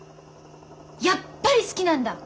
やっぱり好きなんだ！